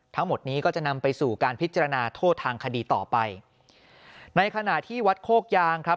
ทั้งหมดนี้ก็จะนำไปสู่การพิจารณาโทษทางคดีต่อไปในขณะที่วัดโคกยางครับ